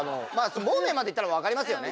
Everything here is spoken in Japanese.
モーメンまでいったら分かりますよね。